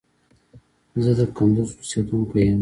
زه د کندوز اوسیدونکي یم